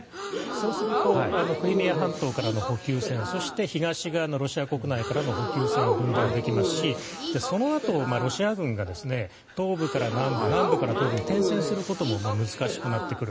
そうするとクリミア半島からの補給線そして東側のロシア国内からの補給線を分断できますしそのあと、ロシア軍が東部から南部南部から東部に転戦することも難しくなってくる。